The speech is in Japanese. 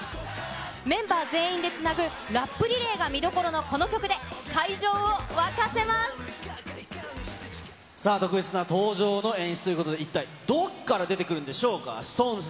メンバー全員でつなぐラップリレーが見どころのこの曲で、会場をさあ、特別な登場の演出ということで、一体どっから出てくるんでしょうか、ＳｉｘＴＯＮＥＳ